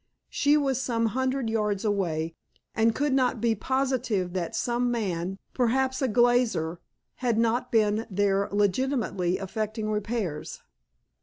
She was some hundreds of yards away, and could not be positive that some man, perhaps a glazier, had not been there legitimately effecting repairs.